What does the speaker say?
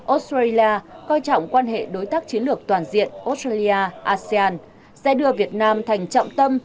australia coi trọng quan hệ đối tác chiến lược toàn diện australia asean sẽ đưa việt nam thành trọng tâm